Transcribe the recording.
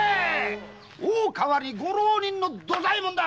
大川にご浪人の土左衛門だ。